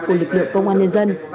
của lực lượng công an nhân dân